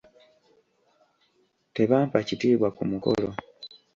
Tebampa kitiibwa ku mukolo.